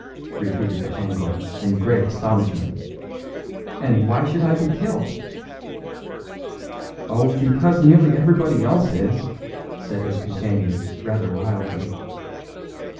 repeated the angler in great astonishment. "And why should I be killed?" "Oh, because nearly everybody else is," said his companion rather wildly.